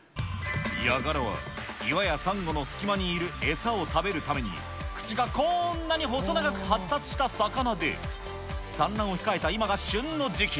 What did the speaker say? ヤガラは、岩やさんごの隙間にいる餌を食べるために、口がこーんなに細長く発達した魚で、産卵を控えた今が旬の時期。